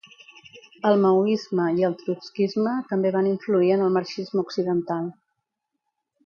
El maoisme i el trotskisme també van influir en el marxisme occidental.